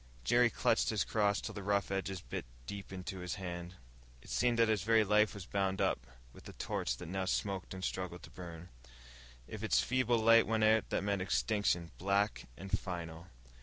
Jerry clutched his cross till the rough edges bit deep into his hand. It seemed that his very life was bound up with the torch that now smoked and struggled to burn. If its feeble flame went out, that meant extinction, black and final.